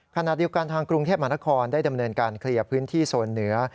ขณะเดียวกันทางกรุงเทพมหานครได้ดำเนินการเคลียร์พื้นที่โซนเหนือ